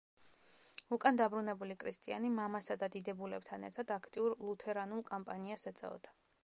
უკან დაბრუნებული კრისტიანი, მამასა და დიდებულებთან ერთად აქტიურ ლუთერანულ კამპანიას ეწეოდა.